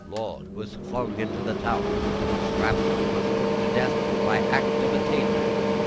Laud was flung into the Tower. Strafford was put to death by act of attainder.